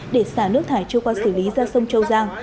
để xả nước thải chưa qua xử lý ra sông châu giang